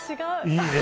いいね